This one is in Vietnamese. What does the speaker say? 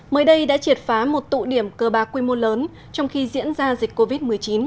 mới đây đã triệt phá một tụ điểm cờ bạc quy mô lớn trong khi diễn ra dịch covid một mươi chín